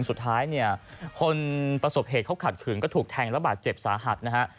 สุดท้ายเนี่ยคนประสบเหตุเขาขัดขืนก็ถูกแทงระบาดเจ็บสาหัสนะฮะ